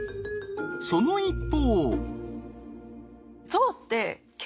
その一方。